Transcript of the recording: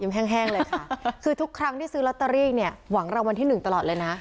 แห้งเลยค่ะคือทุกครั้งที่ซื้อลอตเตอรี่เนี่ยหวังรางวัลที่หนึ่งตลอดเลยนะ